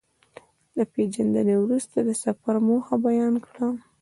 له پېژندنې وروسته د سفر موخه بيان کړه.